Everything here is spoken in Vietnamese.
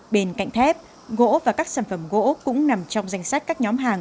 bên cạnh thép gỗ và các sản phẩm gỗ cũng nằm trong danh sách các nhóm hàng